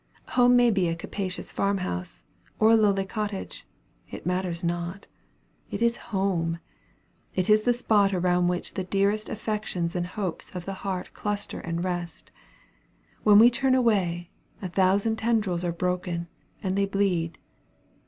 Home may be a capacious farm house, or a lowly cottage, it matters not. It is home. It is the spot around which the dearest affections and hopes of the heart cluster and rest. When we turn away, a thousand tendrils are broken, and they bleed.